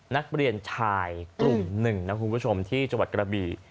นักเรียนชายกลุ่มหนึ่งนะคุณผู้ชมที่จังหวัดกระบี่